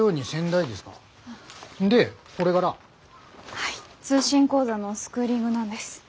はい通信講座のスクーリングなんです。